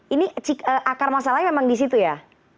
ini akar masalahnya memang di situ ya